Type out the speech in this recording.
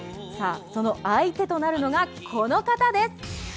その相手となるのがこの方です。